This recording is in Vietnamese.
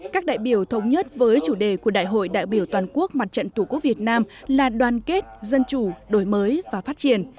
các đại biểu thống nhất với chủ đề của đại hội đại biểu toàn quốc mặt trận tổ quốc việt nam là đoàn kết dân chủ đổi mới và phát triển